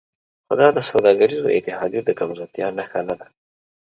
خو دا د سوداګریزو اتحادیو د کمزورتیا نښه نه ده